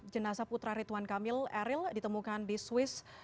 jenazah putra rituan kamil eril ditemukan di swiss